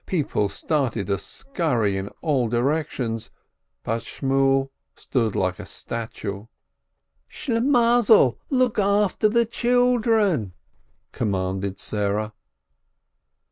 People started to scurry in all directions, but Shmuel stood like a statue. "Shlimm mazel, look after the children !" commanded Sarah.